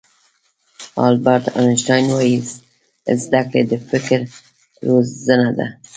البرټ آینشټاین وایي زده کړه د فکر روزنه ده.